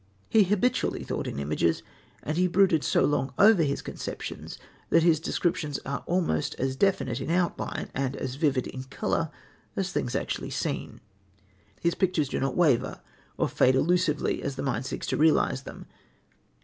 He habitually thought in images, and he brooded so long over his conceptions that his descriptions are almost as definite in outline and as vivid in colour as things actually seen. His pictures do not waver or fade elusively as the mind seeks to realise them.